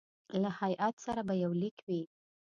له هیات سره به یو لیک وي.